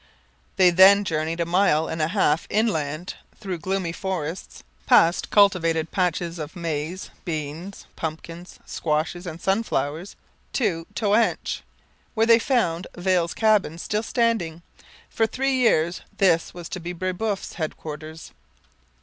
They then journeyed a mile and a half inland, through gloomy forests, past cultivated patches of maize, beans, pumpkins, squashes, and sunflowers, to Toanche, where they found Viel's cabin still standing. For three years this was to be Brebeuf's headquarters.